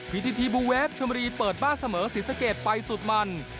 พิจิธีบูวัคเชิมรีเปิดบ้านเสมอสิทธิ์สะเกรดไปสุดมัน